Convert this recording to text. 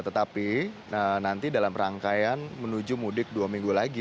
tetapi nanti dalam rangkaian menuju mudik dua minggu lagi